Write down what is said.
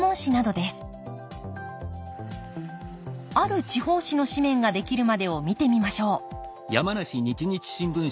ある地方紙の紙面が出来るまでを見てみましょう